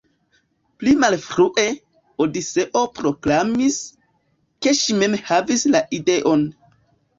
Pli malfrue, Odiseo proklamis, ke si mem havis la ideon.